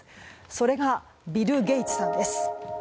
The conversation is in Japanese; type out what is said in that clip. それが、ビル・ゲイツさんです。